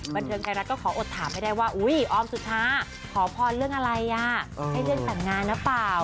มันเข้าแล้วมันออกยากนะ